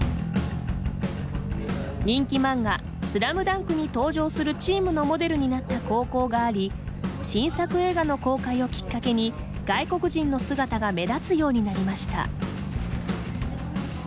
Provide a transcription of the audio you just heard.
人気漫画「スラムダンク」に登場するチームのモデルになった高校があり新作映画の公開をきっかけに外国人の姿が目立つようになりました。